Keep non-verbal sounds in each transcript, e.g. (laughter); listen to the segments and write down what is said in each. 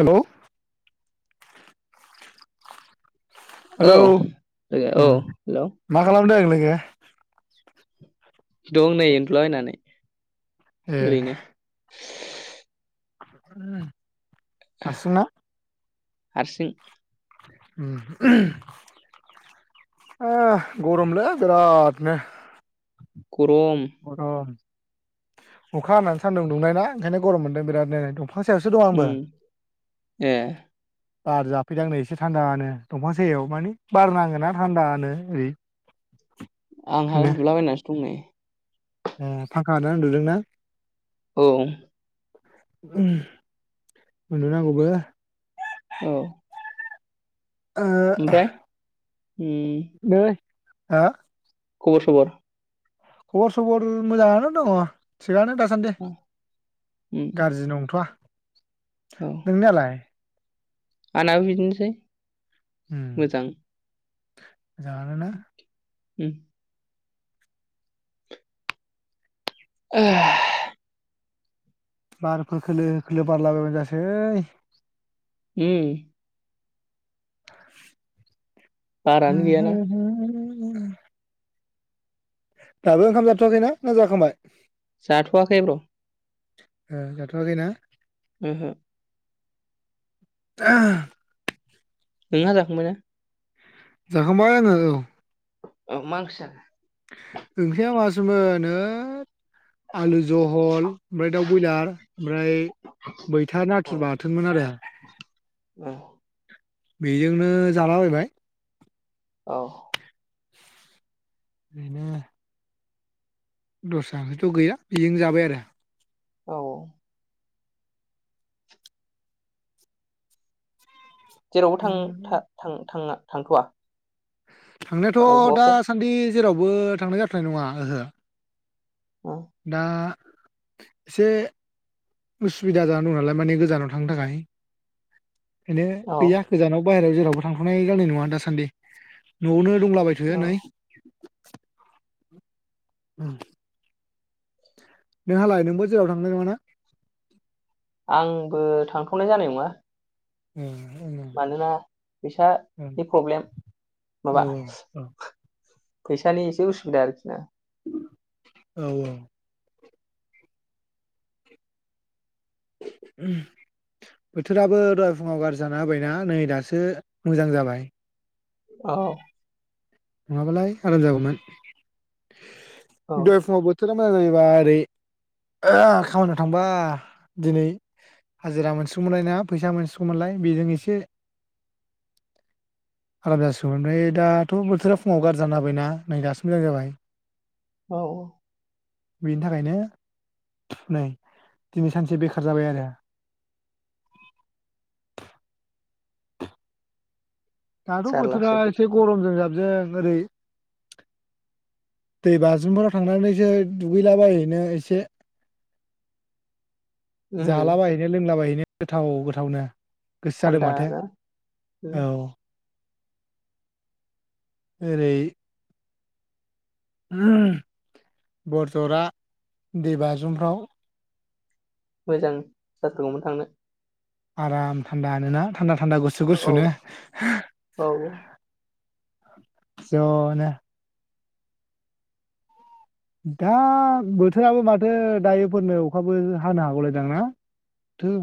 हेल' औ हेलौ लोगो औ उम हेलौ मा खालामदों नों (unintelligible) दं नै उन्दुला बायनानै। ए (inaudible) हारसिंना? हारसिं। उम गरमलै बिरादनो। गरम गरम अखा हाना सान्दुं दुंनाय ना ओंखायनो गरम मोनदों बिराद नो दंफ उम ए बार जाफैदां नै एसे थान्दानो दंफां सायाव मानि बार नाङोना थान्दानो ओरै। आंहा उन्दुलाबायनासो दं नै। ए फांखा होना उन्दुदों ना? औ उन्दुनांगौबो औ ओ ओमफ्राय उम आ खबर सबर खबर सबर मोजाङानो दङ। थिगानो दासान्दि उम गाज्रि नंथ'आ नोंनियालाय? आनाबो बिदिनोसै। मोजां। जानो ना? उम (inaudible) बारफोर खोलो खोलो बारला बायबानो जासै उम (inaudible) बारानो गैयाना (inaudible) नंग दाबो ओंखाम जाथ'वाखैना ना जाखांबाय? जाथवाखै ब्र। ओ जाथ'आखै ना? ओहो। (unintelligible) नोंहा जाखांबाय ना? जाखांबाय आंङो औ। औ मा ओंख्रै जाखो? ओंख्रिया मासोमोन होत आलु जहल, ओमफ्राय दाउ बयलार, ओमफ्राय मैथा नाथुर औ बाथोनमोन आरो औ बेजोंनो जालाबायबाय। औ बेनो दस्रा ओंख्रैथ गैया बेजोंनो जाबाय आरो औ जेरावबो थां-था-थां-थांङा? थांथवा थांनायाथ' अबावबाफोर दासान्दि जेरावबो थांनाय जाथनाय नङा ओहो। दा एसे उसुबिदा जानानै दं नालाय माने गोजानाव थांनो थाखाय। बेनो औ गैया गोजानाव बाहेराव जेरावबो थांथनाय जानाय नङा दासान्दि। नआवनो दंलाबायथ'यो औ नै ओम नोंहालाय नोंबो जेराव थांनाय नङा ना? आंबो थांथ'नाय जानाय नङा। ओम मानोना फैसा नि प्रब्लेम औ माबा औ फैसानि एसे उसुबिदा आरोखि ना। औ औ बोथोराबो दहाय फुङाव गाज्रि जाना होबायना नै दासो मोजां जाबाय। औ नङाबालाय आराम जागौमोन। औ दहाय फुंआवबो बोथोरा मोजां जायोबा ओरै खामानियाव थांबा दिनै हाजिरा मोनसिगौमोनलाय ना फैसा मोनसिगौमोनलाय बेजों एसे आराम जासिगौमोन ओमफ्राय दाथ' बोथोरा फुङाव गारजि जाना होबायना नै दासो मोजां जाबाय। औ ओ बेनि थाखायनो नै दिनै सानसे बेखार जाबाय आरो दाथ' बोथोरा जारलासो एसे बोथोर गरमजों जाबजों ओरै दै बाज्रुमफोराव थांनानैसो दुगैलाबाहैनो एसे उम जालाबायहैनो लोंलाबायहैनो गोथाव गोथावनो गोसो जादों थान्दा माथो ना उम औ ओरै बरजरा दैबाजुमफ्राव मोजां जाथारगौमोन थांनो आराम थान्दानोना? थान्दा थान्दा गुसु औ गुसुनो औ ज' नो दा बोथोराबो माथो दायोफोरनो अखाबो हानो हागौलायदां माथो?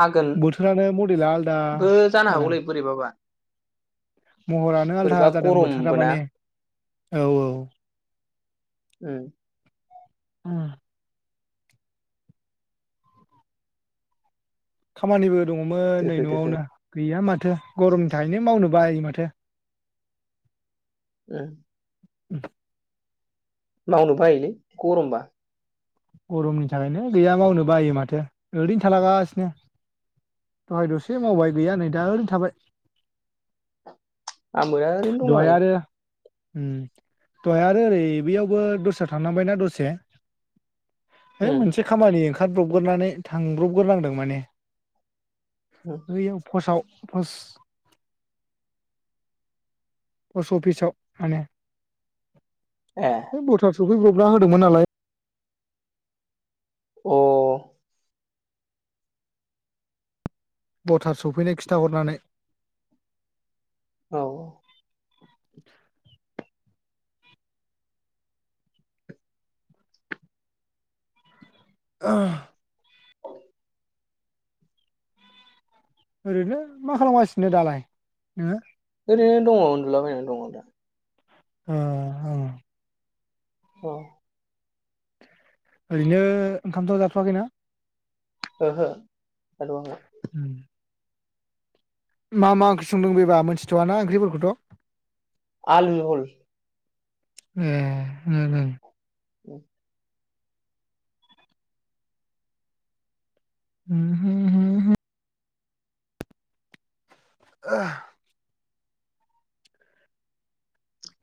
हागोन बोथोरानो मडेला आलादा बो जानो जादों हागौलै बोरैबाबा महरानो आलदा बोरैबा जादों गरमबो बोथोरा ना माने औ औ। (inaudible) ओम। खामानिबो दङ'मोन नै दोहो दोहो न'आवनो गैया माथो गरमनि थाहैनो मावनो बा माथो (inaudible) (inaudible) मावनो बायोलै गरमबा गरमनि थाखायनो गैया मावनो बायो माथो ओरैनो थालागासिनो दहाय दसे मावबाय गैया नै दा ओरैनो थाबाय आंबो ओरैनो दंला दहाय बायो आरो दहाय आरो ओरै बेयावबो दस्रा थांनांबायना दसे हैइ उम मोनसे खामानि ओंखारब्रबग्रोनानै थांब्रबग्रोनांदों माने उम फैयाव फस आव पस्ट पस्ट अफिसाव माने ए अ बे बथार सफै मा होदोंमोन नालाय अ। भटार सौफैनाय खिन्थाहरनानै औ। (inaudible) ओरैनो मा खालामगासिनो दालाय नोङो? ओरैनो दङ' उन्दुलाबायनानै दङ दा। अ। औ। ओरैनो ओंखामथ' जाथ'वाखैना? ओहो। (inaudible) मा मा ओंख्रि संदों बेबा मोनथिथवा ना ओंख्रिफोरखौथ आलु जुहुल ए दे दे (inaudible) (unintelligible) (inaudible)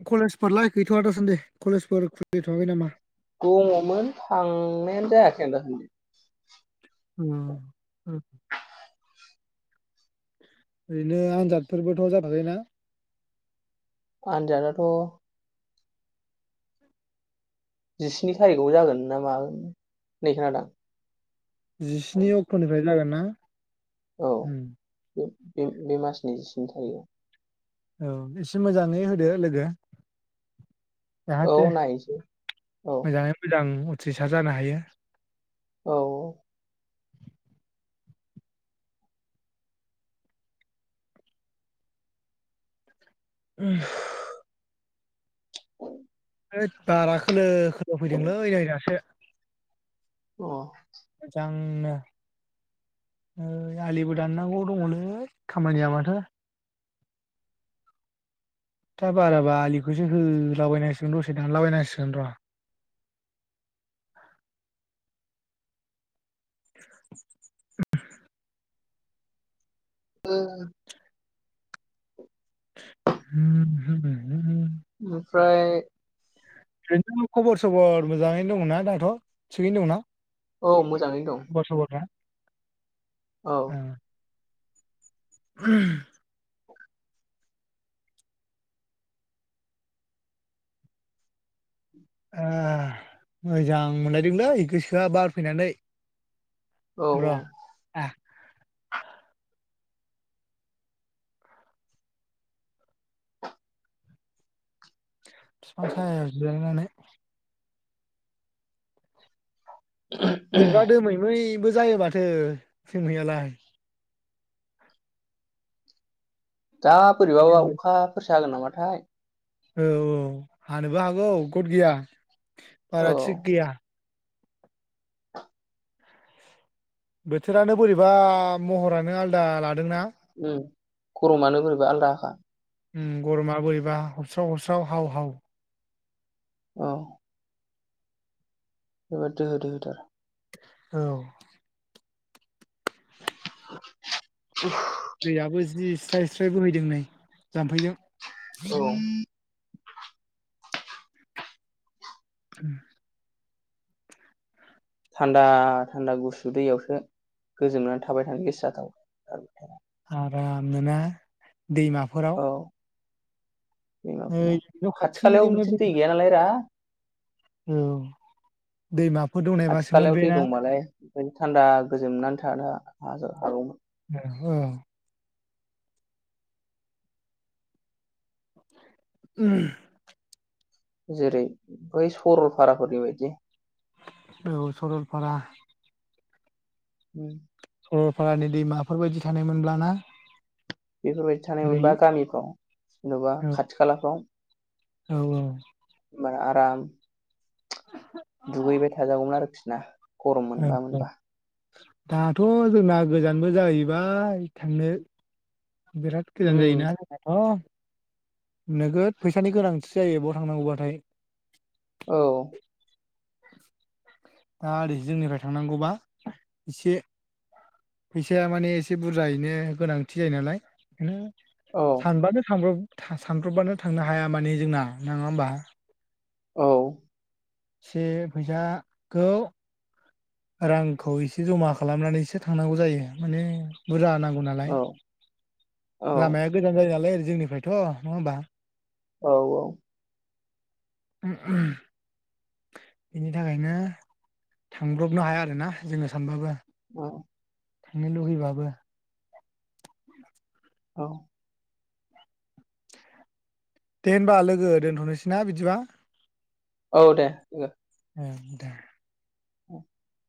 कलेजफोरलाय गैथवा दासानदि कलेजफोर खुलिथवाखै नामा? दङमोन थांनायानो जायाखै आं दा सान्दि। (unintelligible) (inaudible) ओरैनो आनजादफोरबोथ जाथयाखैना? आनजादाथ जिस्नि थारिखआव जागोन ना मागोन होननाय खोनादां। जिस्नि अक्टनिफ्राय जागोनना? औ होम बे बे मासनि जिस्नि थारिगाव औ एसे मोजाङै होदो लोगो औ जाहाथे नायनोसै औ मोजाङै मोजां उथ्रिसार जानो हायो। औ उम है बारा खोलो खोलो फैदोंलै नै दासो अ मोजांनो नै आलिबो दाननांगौ दङलै खामानिया माथो दा बाराबा आलिखौसो होलाबायनांसिगोन दसे दानलाबायनांसिगोन र। (inaudible) ओ (unintelligible) ओमफ्राय बेरनो खबर सबर मोजाङैनो दंना दाथ थिगैनो दंना? औ मोजाङै दं। खबर सबरफ्रा औ ओं (inaudible) ए मोजां मोनलायदोंलै गोसोआ बार फैनानै। औ र औ आ बिफां सायायाव जिरायनानै। बोरैबा दोमै मै जायो माथो जोमैयालाय दा बोरैबाबा अखाफोरसो जागोन नामाथाय औ औ हानोबो हागौ गथ गैया औ बारा थिग गैया। बोथोरानो बोरैबा महरानो आलदा लादोंना। ओम गरमानो बोरैबा आलदाखा। ओम गरमा बोरैबा हबस्राव हबस्राव हाव हाव। औ। जोबोद दोहो दोहो थार। औ। (inaudible) दैआबो जिस स्राय स्राय बहैदों नै जाम्फैजों औ। (unintelligible) थान्दा थान्दा गुसु दैयावसो गोजोमनानै थाबाय थानो गोसो जाथाव आरामनो ना? दैमाफोराव औ दैमाफोराव ओइ न' खाथि खालायाव खाथिजोंनो बिदि दै गैयानालाय रा औ दैमा खाथि खालायाव दै दंमालाय थान्दा गोजोमनानै थानो हा हाजो हागौमोन। (unintelligible) (unintelligible) जेरै बै सरलफाराफोरनि बायदि औ सरलफारा उम सरलफारानि दैमाफोरबायदि थानाय मोनब्ला ना? बेफोरबायदि थानाय ओरै मोनबा गामिफ्राव जेनेबा औ खाथि खालाफ्राव औ औ। इमान आराम दुगैबाय थाजागौमोन आरोखिना गरम औ मोनबा औ मोनबा दाथ' जोंना गोजानबो जाहैबाय थांनो बिराद गोजान उम जायोना जोंनाथ' नोगोद फैसानि गोनांथि जायो बाव थांनांगौबाथाय औ (unintelligible) दा ओरै जोंनिफाय थांनांगौबा इसे फैसाया माने एसे बुरजायैनो गोनांथि जायो नालाय बेनो औ सानबानो (unintelligible) था सानब्रबबानो थांनो हाया माने जोंना नङा होमबा औ से फैसा खौ रांखौ एसे जमा खालामनानैसो थांनांगौ जायो माने बुरजा नांगौ औ नालाय लामाया गोजान जायो नालाय जोंनिफ्रायथ नङा होमबा औ औ (unintelligible) बिनि थाखायनो थांब्रबनो हाया आरोना जोङो सानबाबो उम थांनो लुगैबाबो। औ दे होनबा लोगो दोनथनोसै ना बिदिबा औ दे लोगो। (unintelligible) दे। (unintelligible)